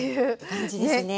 感じですね。